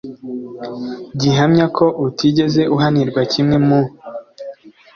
gihamya ko utigeze uhanirwa kimwe mu